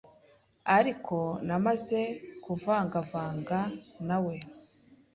Ariko namaze kuvangavanga nawes